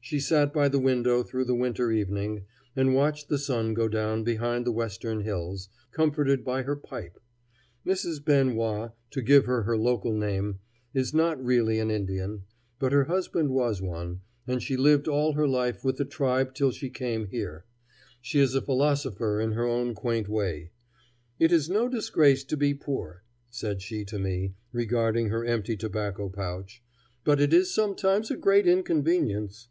She sat by the window through the winter evening, and watched the sun go down behind the western hills, comforted by her pipe. Mrs. Ben Wah, to give her her local name, is not really an Indian; but her husband was one, and she lived all her life with the tribe till she came here. She is a philosopher in her own quaint way. "It is no disgrace to be poor," said she to me, regarding her empty tobacco pouch; "but it is sometimes a great inconvenience."